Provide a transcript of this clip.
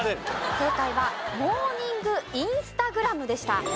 正解はモーニングインスタグラムでした。